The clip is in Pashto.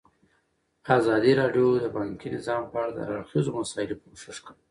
ازادي راډیو د بانکي نظام په اړه د هر اړخیزو مسایلو پوښښ کړی.